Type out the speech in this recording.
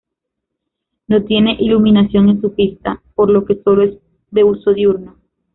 No tiene iluminación en su pista, por lo que solo es de uso diurno.